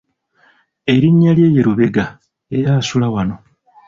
Erinnya lye ye Lubega era asula wano.